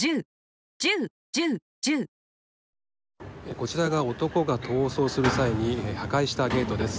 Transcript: こちらが、男が逃走する際に破壊したゲートです。